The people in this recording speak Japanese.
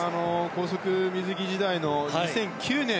高速水着時代の２００９年。